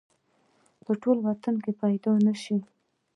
په ټول وطن کې پیدا نه شو